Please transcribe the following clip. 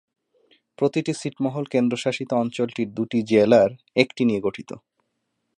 প্রতিটি ছিটমহল কেন্দ্রশাসিত অঞ্চলটির দুটি জেলার একটি নিয়ে গঠিত।